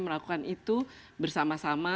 melakukan itu bersama sama